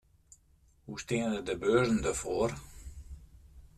Hoe steane de beurzen derfoar?